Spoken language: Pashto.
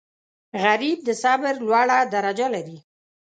غریب د صبر لوړه درجه لري